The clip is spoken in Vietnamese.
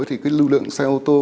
thì cái lưu lượng xe ô tô